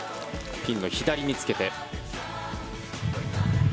ピンの左につけて。